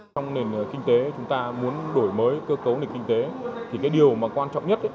trong nền kinh tế chúng ta muốn đổi mới cơ cấu nền kinh tế thì cái điều mà quan trọng nhất